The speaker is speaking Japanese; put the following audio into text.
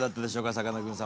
さかなクン様。